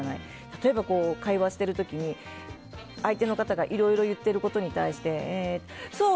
例えば、会話している時に相手の方がいろいろ言ってることに対してそう！